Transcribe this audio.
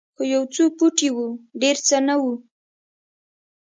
خو یو څو پوټي وو ډېر څه نه وو.